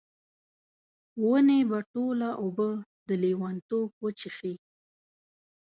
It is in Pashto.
ونې به ټوله اوبه، د لیونتوب وچیښي